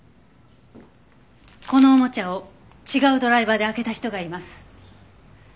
このおもちゃを違うドライバーで開けた人がいます。